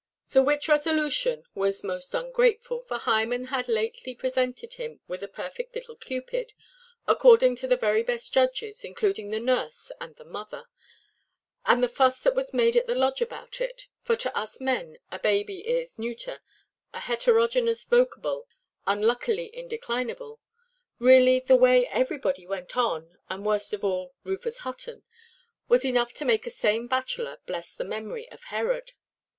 The which resolution was most ungrateful, for Hymen had lately presented him with a perfect little Cupid, according to the very best judges, including the nurse and the mother, and the fuss that was made at the Lodge about it (for to us men a baby is neuter, a heterogeneous vocable, unluckily indeclinable); really the way everybody went on, and worst of all Rufus Hutton, was enough to make a sane bachelor bless the memory of Herod.